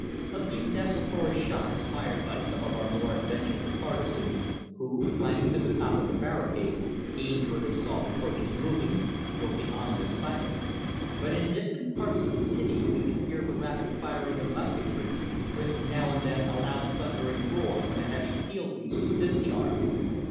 A few desultory shots, fired by some of our more adventurous partisans, who, climbing to the top of the barricade, aimed where they saw the torches moving, broke the ominous silence, but in distant parts of the city we could hear the rapid firing of musketry, with now and then a loud thundering roar when a heavy field piece was discharged.